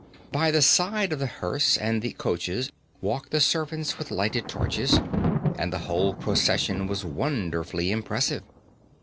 By the side of the hearse and the coaches walked the servants with lighted torches, and the whole procession was wonderfully impressive.